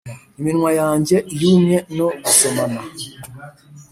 iminwa yanjye yumye no gusomana,